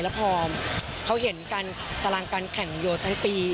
แล้วพอเขาเห็นการตารางการแข่งโยทั้งปี